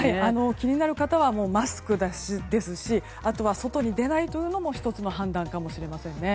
気になる方はマスクですしあとは外に出ないのも１つの判断かもしれないです。